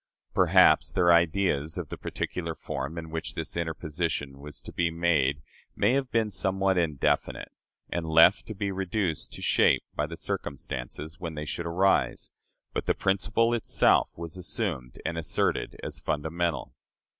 Perhaps their ideas of the particular form in which this interposition was to be made may have been somewhat indefinite; and left to be reduced to shape by the circumstances when they should arise, but the principle itself was assumed and asserted as fundamental.